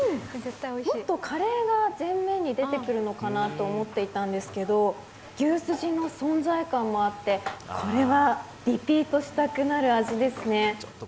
もっと、カレーが全面に出てくるのかなと思っていたんですけど牛すじの存在感もあってこれはリピートしたくなる味ですね。